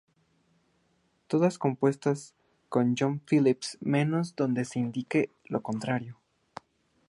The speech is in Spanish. Todas compuestas por John Phillips menos donde se indique lo contrario.